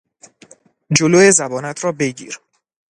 جلو زبانت را بگیر!